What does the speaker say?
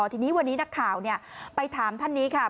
ทีนี้วันนี้นักข่าวไปถามท่านนี้ค่ะ